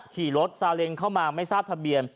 ขี่รถซาเล็งเข้ามาไม่ทราบทะเบียน